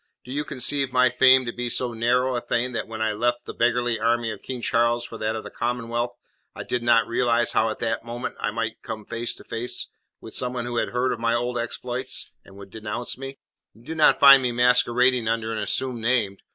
Do you conceive my fame to be so narrow a thing that when I left the beggarly army of King Charles for that of the Commonwealth, I did not realize how at any moment I might come face to face with someone who had heard of my old exploits, and would denounce me? You do not find me masquerading under an assumed name.